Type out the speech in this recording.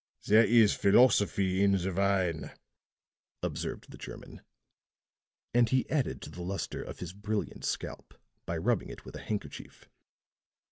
"There is philosophy in the wine," observed the German, and he added to the luster of his brilliant scalp by rubbing it with a handkerchief.